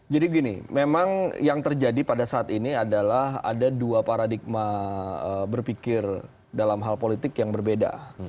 jadi gini memang yang terjadi pada saat ini adalah ada dua paradigma berpikir dalam hal politik yang berbeda